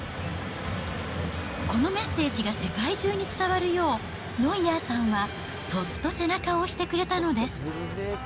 このメッセージが世界中に伝わるよう、ノイアーさんはそっと背中を押してくれたのです。